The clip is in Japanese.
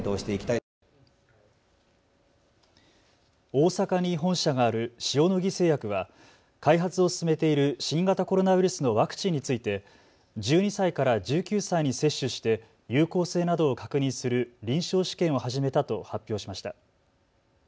大阪に本社がある塩野義製薬は開発を進めている新型コロナウイルスのワクチンについて１２歳から１９歳に接種して有効性などを確認する臨床試験を始めたと発表しました。